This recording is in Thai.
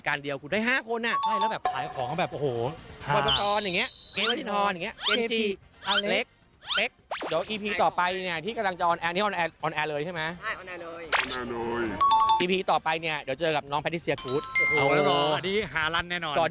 พี่ก็ี้บ้างบอกว่าถอดเสื้อทุกคนดรเซิญแน่นแน่นอน